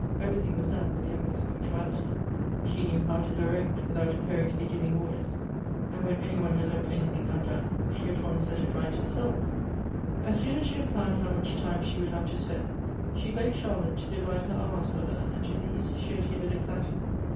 Everything was done with the utmost punctuality ; she knew how to direct, without appearing to be giving orders, and when any one had left anything undone, she at once set it right herself As soon as she had found how much time she would have to spare, she begged Charlotte to divide her hours for her, and to these she adhered exactly.